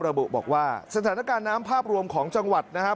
ระบุบอกว่าสถานการณ์น้ำภาพรวมของจังหวัดนะครับ